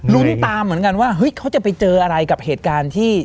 ตามเหมือนกันว่าเฮ้ยเขาจะไปเจออะไรกับเหตุการณ์ที่